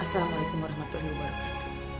assalamualaikum warahmatullahi wabarakatuh